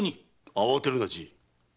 慌てるなじい。